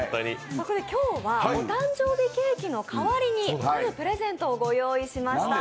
そこで今日は、お誕生日ケーキの代わりにプレゼントをご用意しまいりました。